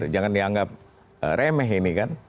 jangan dianggap remeh ini kan